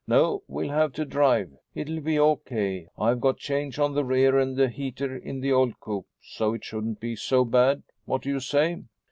No, we'll have to drive. It'll be okay. I've got chains on the rear and a heater in the old coupe, so it shouldn't be so bad. What do you say?"